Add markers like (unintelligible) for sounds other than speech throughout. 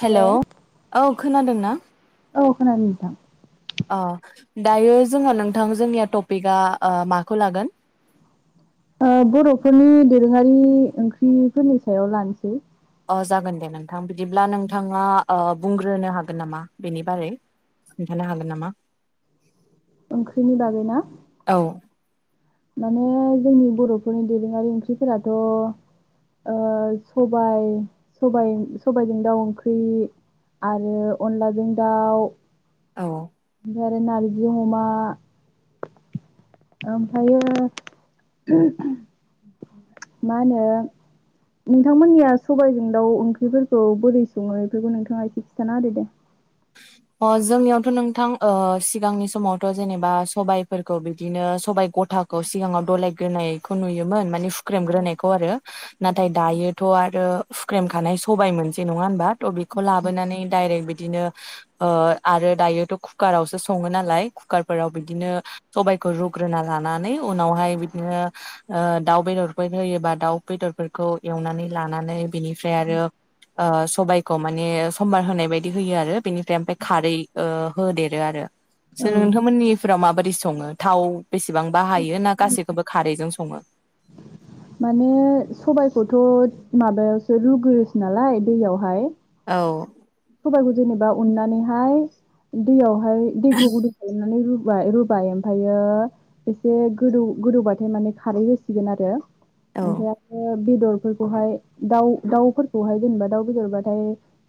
Hello औ खोनादों ना। औ खोनादों नोंथां। अ दायो जोंहा नोंथां जोंनिया टपिकआ माखौ लागोन? ओं बर'फोरनि दोरोङारि ओंख्रिफोरनि सायाव लानोसै। अ जागोन द नों थां बिदिब्ला नोंथाङा ओं बुंग्रोनो हागोन नामा बेनि बारै खोनन्थानो हागोन नामा? ओंख्रिनि बागै ना? औ माने जोंनि बर'फोरनि दोरोङारि ओंख्रिफोराथ' ओ सबाय सबाय-सबायजों दाउ ओंख्रि आरो अनलाजों दाउ। औ। (unintelligible) आरो नारजि अमा ओमफायो मा होनो नोंथांमोननिया सबायजों दाउ ओंख्रिफोरखौ बोरै सङो बेफोरखौ नोंथाङा एसे खिन्थाना होदो दे। अ जोंनियावथ' नोंथां ओ सिगांनि समावथ' जेनेबा सबायाइफोरखौ बिदिनो सबाय गथाखौ सिगाङाव दलायग्रोनायखौ नुयोमोन माने औ सुख्रेमग्रोनायखौ आरो। नाथाय दायोथ' आर ओ सुख्रेमखानाय सबाय मोनसे नङा होनबा थ बेखौ लाबोनानै डायरेक्ट बिदिनो ओं आरो दायोथ' कुकारावसो सङो नालाय कुकारफोराव बिदिनो सबायखौ रुग्रोना लानानै उनावहाय बिदिनो ओ दाउ बेदरफोर होयोबा दाउ बेदरफोरखौ एवनानै लानानै बिनिफ्राय आरो ओ सबायखौ माने सम्बार होनाय बायदि होयो आरो। बेनिफ्राय ओमफ्राय खारै ओ होदेरो आरो। सो औ नोंथांमोननिफ्राव माबाद दि सङो थाव बेसेबां बाहायो? ना गासिखौबो खारैजों सं सङो? माने सबायखौथ' माबायावसो रुग्रोसो नालाय दैयावहाय। औ सबायखौ जेनेबा उननानैहाय दैयाव फाय दैखौ गुदुं खालामनानै रु बाय रुबाय ओमफ्रायो एसे गोदौ-गोदौबाथाय माने खारै होसिगोन आरो। औ ओमफ्राय आरो बेदरफोरखौहाय दाउ-दाउफोरखौहाय जेनेबा दाउ बेदरबाथाय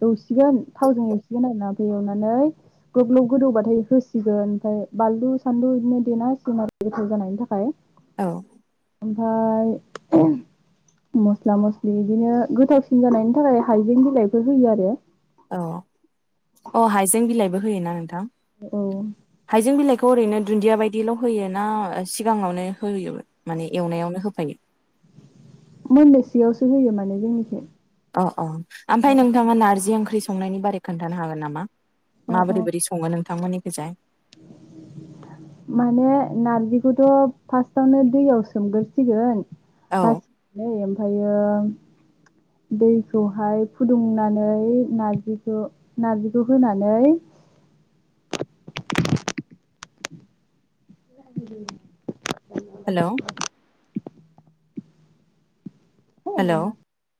दस सिगोन थावजों एवसिगोन आरोना ओमफ्राय एवनानै ग्लब ग्लब गोदौबाथाय होसिगोन ओमफ्राय बानलु सानलु बिदिनो देना सिमार गोथाव जानायनि थाखाय। औ ओमफ्राय मस्ला मस्लि बिदिनो गोथावसिन जानायनि थाखाय हाइजें बिलाइफोर होयो आरो। औ अ हाइजें बिलाइबो होयोना नोंथां? औ हाइजें बिलाइखौ ओरैनो दुन्दिया बायदिल' होयो ना सिगाङावनो होयोबो माने एवनायावनो होफैयो? सैयावसो होगोन नालाय जोंनिखौ। अ अ ओमफ्राय नोंथाङा नारजि ओंख ओंख्रि संनायनि बारै खोन्थानो हागोन नामा? अ माबोरै बोरै सङो नों थांमोननिखैजाय। माने नारजिखौथ' फार्स्टावनो दैयाव सोमग्रोसिगोन। औ बासिनानै ओमफायो जों दैखौहाय फुदुंनानै नारजिखौ नारजिखौ होनानै (unintelligible) हेलौ हेलौ (unintelligible)